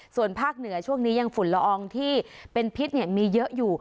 ส่วนภาคเหนือช่วงนี้ยังฝุ่นละอองที่เป็นพิษมีเยอะอยู่